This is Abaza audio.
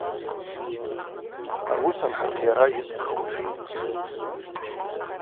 Ауыс анхӏырхъйара йыстхуашын.